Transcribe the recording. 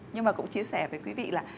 nhưng mà cũng chia sẻ với quý vị là